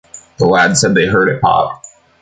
The lads said they heard it pop.